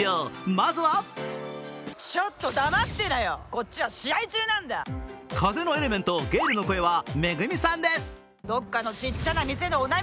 まずは風のエレメントゲイルの声はＭＥＧＵＭＩさんです。